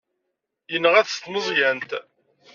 Yenɣa-t s tmeẓyant.